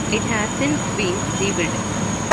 It has since been rebuilt.